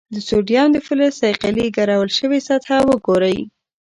د سوډیم د فلز صیقلي ګرول شوې سطحه وګورئ.